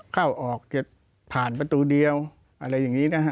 เข้าออกจะผ่านประตูเดียวอะไรอย่างนี้นะฮะ